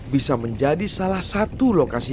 bisa menjadi salah satu lokasi